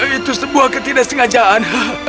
itu sebuah ketidaksengajaan